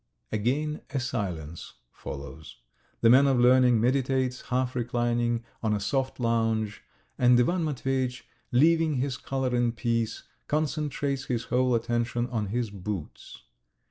Again a silence follows. The man of learning meditates, half reclining on a soft lounge, and Ivan Matveyitch, leaving his collar in peace, concentrates his whole attention on his boots.